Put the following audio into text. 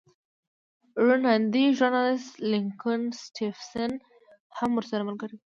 روڼ اندی ژورنالېست لینکولن سټېفنس هم ورسره ملګری و